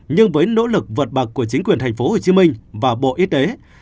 nhưng với nỗ lực vượt bậc của chính quyền thành phố hồ chí minh và bộ y tế